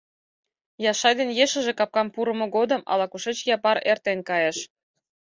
Яшай ден ешыже капкам пурымо годым ала-кушеч Япар эртен кайыш.